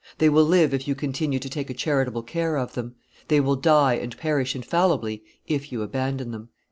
They will live if you continue to take a charitable care of them; they will die and perish infallibly if you abandon them."